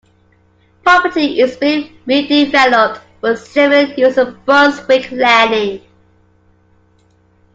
Property is being redeveloped for civilian use as Brunswick Landing.